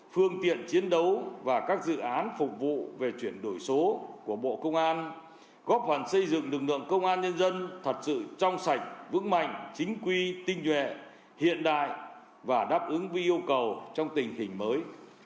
phương tiện chiến đấu và các dự án phục vụ về chuyển đổi số của bộ công an góp phần xây dựng lực lượng công an nhân dân thật sự trong sạch vững mạnh chính quy tinh nhuệ hiện đại và đáp ứng với yêu cầu trong tình hình mới